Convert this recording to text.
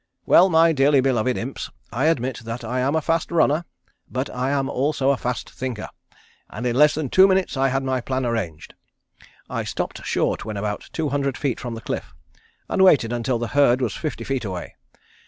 Well, my dearly beloved Imps, I admit that I am a fast runner, but I am also a fast thinker, and in less than two minutes I had my plan arranged. I stopped short when about two hundred feet from the cliff, and waited until the herd was fifty feet away.